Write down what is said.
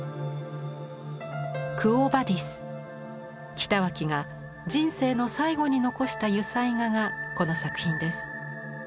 北脇が人生の最後に残した油彩画がこの作品です。